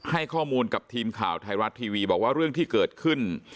ให้ข้อมูลกับทีมข่าวไทยรัฐทีวีบอกว่าเรื่องที่เกิดขึ้น